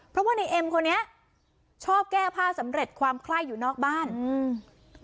เพราะว่าในเอ็มคนนี้ชอบแก้ผ้าสำเร็จความไคร้อยู่นอกบ้านอืม